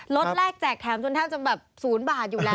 แรกแจกแถมจนแทบจะแบบ๐บาทอยู่แล้ว